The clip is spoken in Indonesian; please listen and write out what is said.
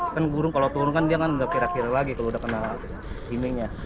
kan burung kalau turun kan dia kan nggak kira kira lagi kalau udah kena healingnya